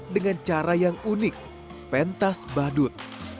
dengan cara yang unik pentas badut